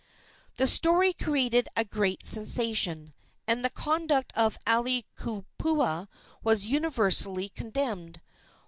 The story created a great sensation, and the conduct of Aiwohikupua was universally condemned.